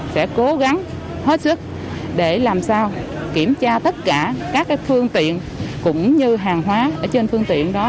sẽ cố gắng hết sức để làm sao kiểm tra tất cả các phương tiện cũng như hàng hóa ở trên phương tiện đó